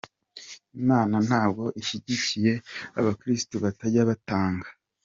Imana ntabwo ishyigikiye abakirisitu batajya batanga.